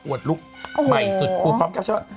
อวดลุคใหม่สุดคุณความชอบชอบ